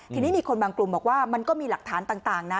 ทีนี้มีคนบางกลุ่มบอกว่ามันก็มีหลักฐานต่างนะ